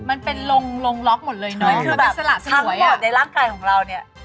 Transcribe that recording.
มันเป็นลงลงล็อกหมดเลยเนอะมันคือแบบทั้งหมดในร่างกายของเราเนี่ย